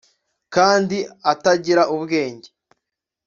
kandi atagira ubwenge